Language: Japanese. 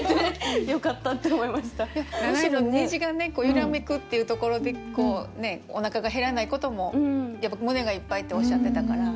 「揺らめく」っていうところでこうねおなかが減らないことも胸がいっぱいっておっしゃってたから。